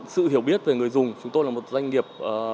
sự hiểu biết về người dùng chúng tôi là một doanh nghiệp